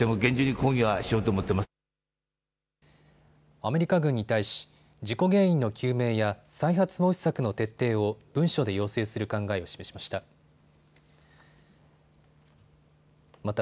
アメリカ軍に対し、事故原因の究明や再発防止策の徹底を文書で要請する考えを示しました。